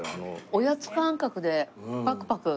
おやつ感覚でパクパク。